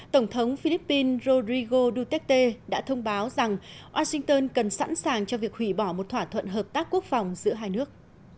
tổng thống philippines rodrigo duterte đã thông báo rằng washington cần sẵn sàng cho việc hủy bỏ một thỏa thuận hợp tác quốc phòng giữa hai nước